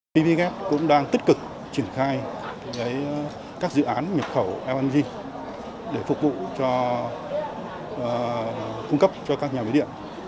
ppgep cũng đang tích cực triển khai các dự án nhập khẩu lng để phục vụ cho cung cấp cho các nhà bí điện